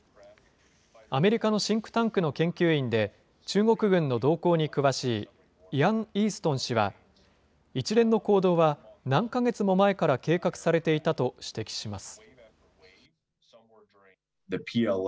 アメリカのシンクタンクの研究員で、中国軍の動向に詳しいイアン・イーストン氏は、一連の行動は何か月も前から計画されていたと指摘します。